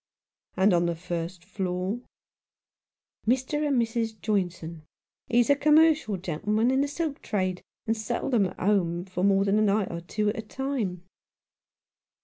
"And on the first floor?" "Mr. and Mrs. Joynson. He's a commercial gentleman in the silk trade, and seldom at home for more than a night or two at a time." 95 Rough Justice.